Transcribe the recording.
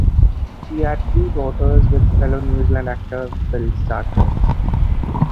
She had two daughters with fellow New Zealand actor Bill Stalker.